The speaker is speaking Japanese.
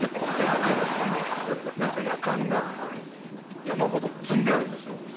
何かヤカンが山ほど積んであるんですよ